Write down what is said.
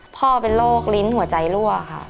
พ่อเป็นโรคลิ้นหัวใจรั่วค่ะ